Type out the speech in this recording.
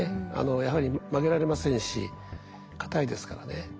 やはり曲げられませんし硬いですからね。